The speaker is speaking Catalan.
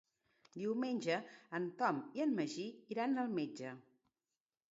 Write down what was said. Diumenge en Tom i en Magí iran al metge.